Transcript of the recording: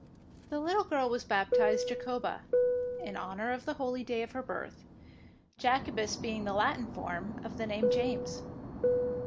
The little girl was baptised Jacoba, in honour of the holy day of her birth. Jacobus being the Latin form of the name James.